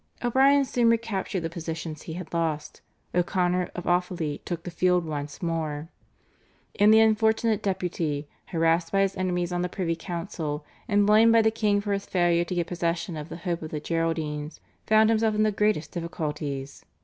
O'Brien soon recaptured the positions he had lost; O'Connor of Offaly took the field once more, and the unfortunate Deputy, harassed by his enemies on the privy council and blamed by the king for his failure to get possession of the hope of the Geraldines, found himself in the greatest difficulties.